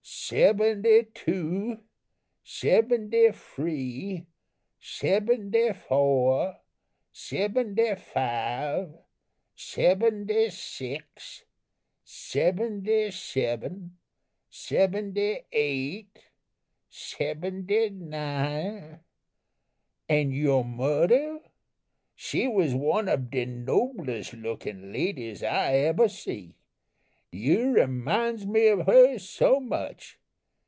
Sebenty two, sebenty free, sebenty foah, sebenty five, sebenty six, sebenty seven, sebenty eight, sebenty nine and your mudder? she was one ob de noblest lookin' ladies I ebber see. You reminds me ob her so much.